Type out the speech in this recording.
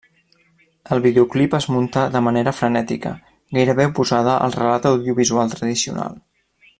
El videoclip es munta de manera frenètica, gairebé oposada al relat audiovisual tradicional.